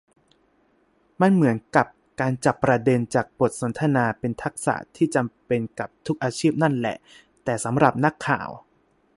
มันเหมือนกับ การจับประเด็นจากบทสนทนาเป็นทักษะที่จำเป็นกับทุกอาชีพนั่นแหละ แต่สำหรับนักข่าว